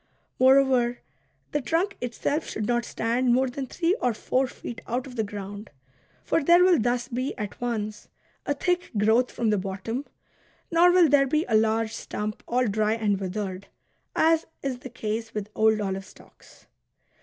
Moreover, the trunk itself should not stand more than three or four feet out of the ground. For there will thus be at once a thick growth from the bottom, nor will there be a large stump, all dry and withered, as is the case with old olive stocks.